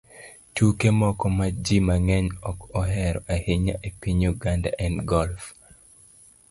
Tuke moko ma ji mang'eny ok ohero ahinya e piny Uganda en golf